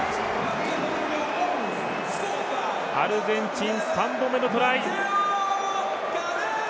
アルゼンチン、３本目のトライ。